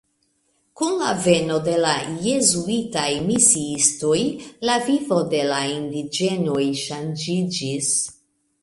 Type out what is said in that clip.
Kun la veno de la jezuitaj misiistoj la vivo de la indiĝenoj ŝanĝiĝis.